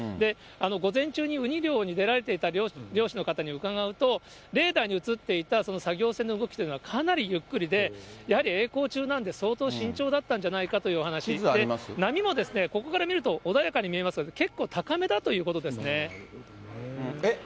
午前中にウニ漁に出ていた漁師の方に伺うと、レーダーに映っていた作業船の動きというのは、かなりゆっくりで、やはりえい航中なんで、相当慎重だったんじゃないかというお話で、波もここから見ると、穏やかに見えますが、結構高めだということえっ？